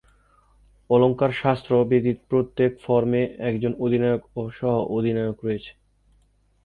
অলঙ্কারশাস্ত্র ব্যতীত প্রত্যেক ফর্মে একজন অধিনায়ক ও সহ-অধিনায়ক রয়েছে।